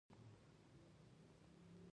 په دولتي دستګاه کې د اداري چارو ښه والی.